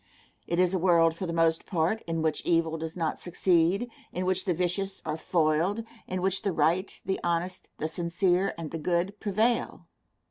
It is a world, for the most part, in which evil does not succeed, in which the vicious are foiled, in which the right, the honest, the sincere, and the good prevail.